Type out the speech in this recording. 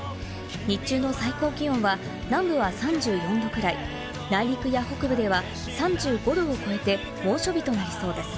日中の最高気温は、南部は３４度ぐらい、内陸や北部では３５度を超えて猛暑日となりそうです。